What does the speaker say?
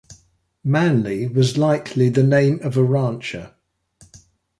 Manley was likely the name of a rancher.